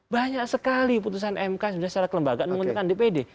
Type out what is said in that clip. banyak sekali putusan mk sudah secara kelembagaan menguntungkan dpd